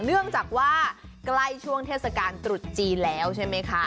เนื่องจากว่าใกล้ช่วงเทศกาลตรุษจีนแล้วใช่ไหมคะ